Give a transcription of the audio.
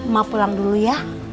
mak pulang dulu ya